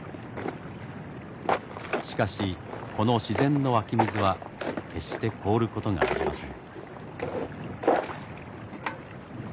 しかしこの自然の湧き水は決して凍ることがありません。